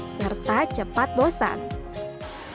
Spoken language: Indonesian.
serta cepat bosan